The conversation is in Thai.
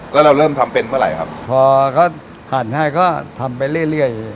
แล้วเราเริ่มทำเป็นเมื่อไหร่ครับพอเขาหั่นให้ก็ทำไปเรื่อยเรื่อย